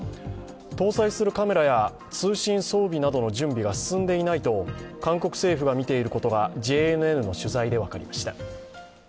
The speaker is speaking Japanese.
搭載するカメラや通信装備などの準備が進んでいないと韓国政府がみていることが、ＪＮＮの取材で分かりました。